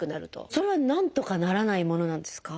それはなんとかならないものなんですか？